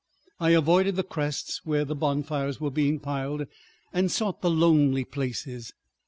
I avoided the crests where the bonfires were being piled, and sought the lonely places.